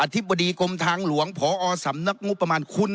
ธิบดีกรมทางหลวงพอสำนักงบประมาณคุณ